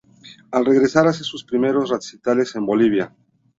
Al regresar hace sus primeros recitales en Bolivia.